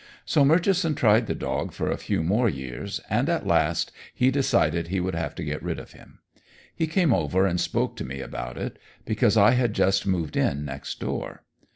So Murchison tried the dog for a few more years, and at last he decided he would have to get rid of him. He came over and spoke to me about it, because I had just moved in next door.